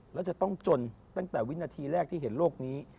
แล้วจะต้องจนตั้งแต่วินาทีแรกที่เห็นโลกนี้